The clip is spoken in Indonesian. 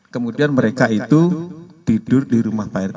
kemudian mereka itu tidur di rumah pak rt